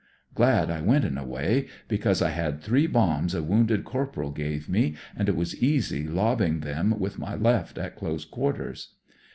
Glad I went in a way, because I had three bombs a wounded corporal gave me, and it was easy lobbing them with my left at close quarters.